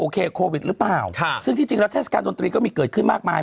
โควิดหรือเปล่าซึ่งที่จริงแล้วเทศกาลดนตรีก็มีเกิดขึ้นมากมาย